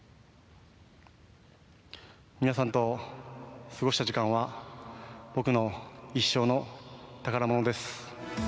皆さんと過ごした時間は、僕の一生の宝物です。